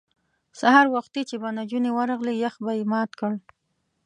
سهار وختي به چې نجونې ورغلې یخ به یې مات کړ.